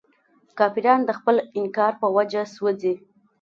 کافران د خپل انکار په وجه سوځي.